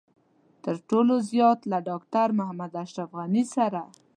تر ټولو زيات له ډاکټر محمد اشرف غني سره.